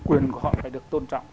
quyền của họ phải được tôn trọng